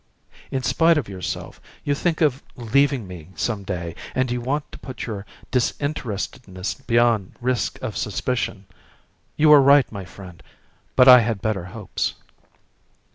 In spite of yourself, you think of leaving me some day, and you want to put your disinterestedness beyond risk of suspicion. You are right, my friend, but I had better hopes."